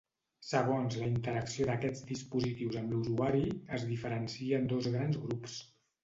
Segons la interacció d’aquests dispositius amb l’usuari, es diferencien dos grans grups.